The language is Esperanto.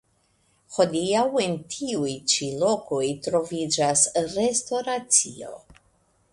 Hodiaŭ en tiuj ĉi lokoj troviĝas restoracio.